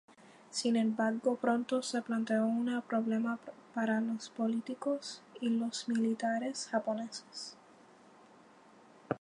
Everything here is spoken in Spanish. Sin embargo, pronto se planteó un problema para los políticos y los militares japoneses.